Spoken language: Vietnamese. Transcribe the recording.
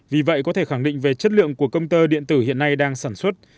vì vậy có thể khẳng định về chất lượng của công tơ điện tử hiện nay đang sản xuất